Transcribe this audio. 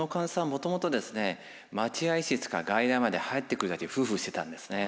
もともと待合室から外来まで入ってくるだけでフフしてたんですね。